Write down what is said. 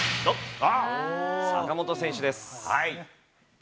坂本選手です。